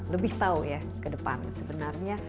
lebih tahu ya ke depan sebenarnya